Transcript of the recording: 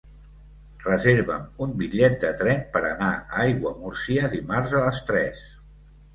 Reserva'm un bitllet de tren per anar a Aiguamúrcia dimarts a les tres.